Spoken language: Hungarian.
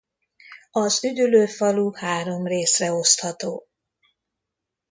Az üdülőfalu három részre osztható.